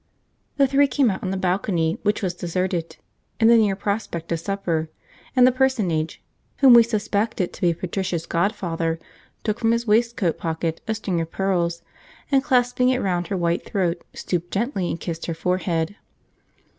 The three came out on the balcony, which was deserted, in the near prospect of supper, and the personage whom we suspected to be Patricia's godfather took from his waistcoat pocket a string of pearls, and, clasping it round her white throat, stooped gently and kissed her forehead.